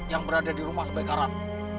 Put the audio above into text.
yang berada di rumah kebakaran